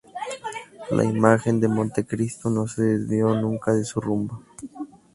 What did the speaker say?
La imagen de Montecristo no se desvió nunca de su rumbo.